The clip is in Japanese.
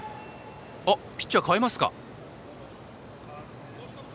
ピッチャーを代えますか。